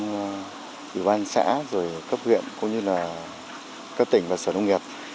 trong ủy ban xã cấp huyện cấp tỉnh và sở nông nghiệp